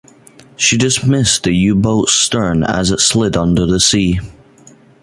She just missed the U-boat's stern as it slid under the sea.